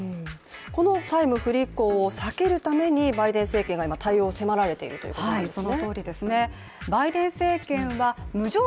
この債務不履行を避けるためにバイデン政権が今、対応を迫られているということなんですね。